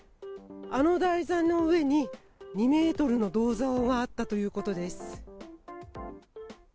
あの台座の上に２ｍの銅像があったということです。